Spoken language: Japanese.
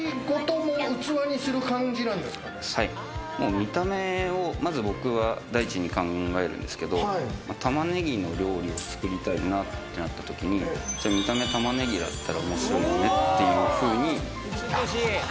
見た目を僕は第一に考えるんですけど、玉ねぎの料理を作りたいなってなった時に、じゃあ見た目が玉ねぎだったら面白いよねっていうふうに。